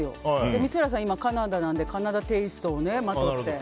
光浦さん、今カナダなのでカナダテイストをまとって。